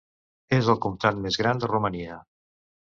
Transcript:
És el comtat més gran de Romania.